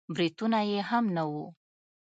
برېتونه يې هم نه وو.